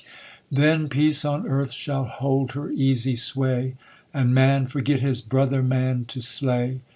Then peace on earth shall hold her easy sway, And man forget his brother man to slay.